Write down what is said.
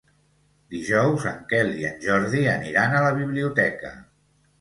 Dijous en Quel i en Jordi aniran a la biblioteca.